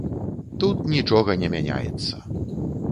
Тут нічога не мяняецца.